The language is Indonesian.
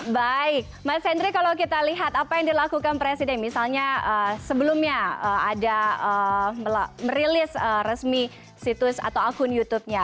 baik mas hendry kalau kita lihat apa yang dilakukan presiden misalnya sebelumnya ada merilis resmi situs atau akun youtubenya